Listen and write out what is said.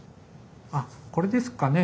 あっこれですかね